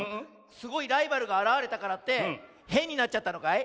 すごいライバルがあらわれたからってへんになっちゃったのかい？